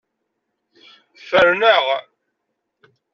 Ferneɣ.